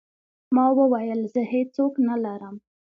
ما وويل زه هېڅ څوک نه لرم.